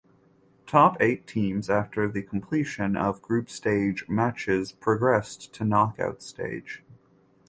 Top eight teams after the completion of group stage matches progressed to knockout stage.